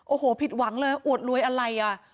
โอ้โหผิดหวังเลยอวดรวยอะไรอ่ะ